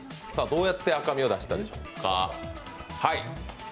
どうやって赤みを出したでしょうか？